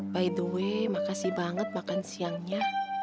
by the way makasih banget makan siangnya